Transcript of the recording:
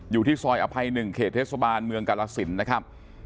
อยู่ที่ซอยอภัยหนึ่งเขตเทศบาลเมืองกรรศิลป์นะครับ